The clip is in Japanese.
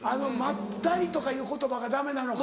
「まったり」とかいう言葉がダメなのか。